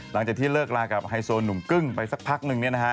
หลังจากที่เลิกลากับไฮโซหนุ่มกึ้งไปสักพักนึง